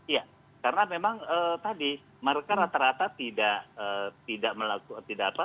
ya karena memang tadi mereka rata rata tidak berinteraksi dengan masyarakat di sekitar